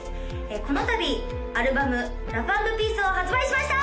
このたびアルバム「ラフ・アンド・ピース」を発売しました！